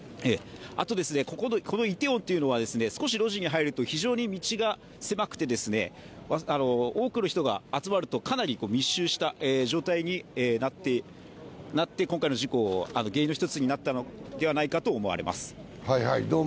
あと、このイテウォンというのは少し路地に入ると非常に道が狭くて多くの人が集まるとかなり密集した状態になって、今回の事故の原因の一つになったのではないかと思われます。